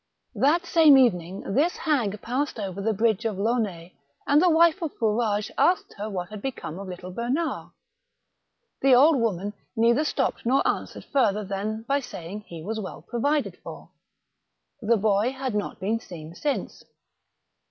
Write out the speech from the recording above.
That same evening this hag passed over the bridge of Launay, and the wife of Fourage asked her what had become of Uttle Bernard. The old woman neither stopped nor answered further than by saying he was well provided for. The boy had not been seen since.